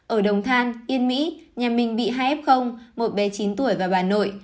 ở đồng than yên mỹ nhà mình bị hai f một bé chín tuổi và bà nội